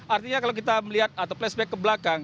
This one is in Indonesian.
artinya kalau kita melihat atau flashback ke belakang